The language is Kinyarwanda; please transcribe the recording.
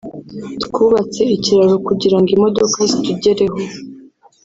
twubatse ikiraro kugira ngo imodoka zitugereho